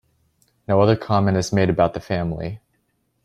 No other comment is made about the family.